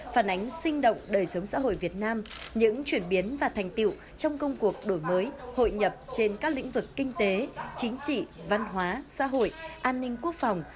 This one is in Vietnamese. phản ánh sinh động đời sống xã hội việt nam những chuyển biến và thành tiệu trong công cuộc đổi mới hội nhập trên các lĩnh vực kinh tế chính trị văn hóa xã hội an ninh quốc phòng